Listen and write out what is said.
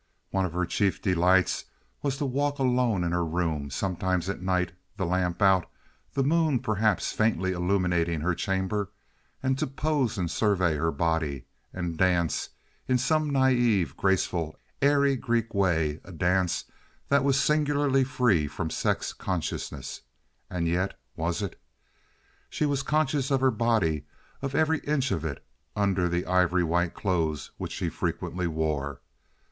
One of her chief delights was to walk alone in her room—sometimes at night, the lamp out, the moon perhaps faintly illuminating her chamber—and to pose and survey her body, and dance in some naive, graceful, airy Greek way a dance that was singularly free from sex consciousness—and yet was it? She was conscious of her body—of every inch of it—under the ivory white clothes which she frequently wore.